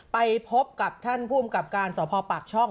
ไปพบกับท่านภูมิกับการสพปากช่อง